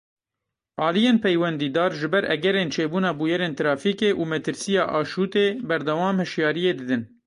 Aliyên peywendîdar ji ber egerên çêbûna bûyerên trafîkê û metirsiya aşûtê berdewam hişyariyê didin.